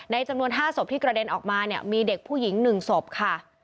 จำนวน๕ศพที่กระเด็นออกมาเนี่ยมีเด็กผู้หญิง๑ศพค่ะ